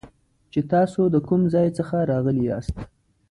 چې تاسو د کوم ځای څخه راغلي یاست